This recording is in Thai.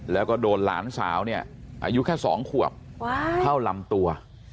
แล้วก็โดนหลานสาวเนี่ยอายุแค่๒ขวบเข้าลำตัว